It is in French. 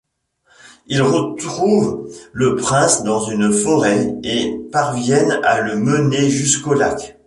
Ils retrouvent le prince dans une forêt et parviennent à le mener jusqu'au lac.